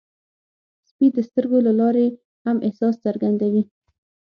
سپي د سترګو له لارې هم احساس څرګندوي.